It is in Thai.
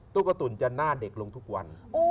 กระตุ๋นจะหน้าเด็กลงทุกวัน